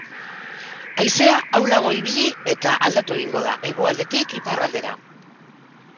Haizea ahulago ibili eta aldatu egingo da, hegoaldetik iparraldera.